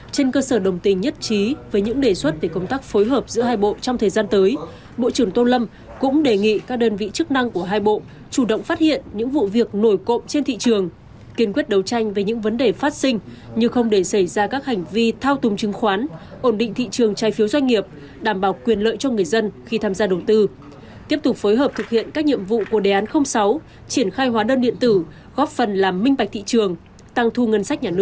trên cơ sở đồng tình nhất trí với những đề xuất về công tác phối hợp giữa hai bộ trong thời gian tới bộ trưởng tô lâm cũng đề nghị các đơn vị chức năng của hai bộ chủ động phát hiện những vụ việc nổi cộng trên thị trường kiên quyết đấu tranh về những vấn đề phát sinh như không để xảy ra các hành vi thao túng chứng khoán ổn định thị trường trai phiếu doanh nghiệp đảm bảo quyền lợi cho người dân khi tham gia đầu tư tiếp tục phối hợp thực hiện các nhiệm vụ của đề án sáu triển khai hóa đơn điện tử góp phần làm minh bạch thị trường tăng thu ng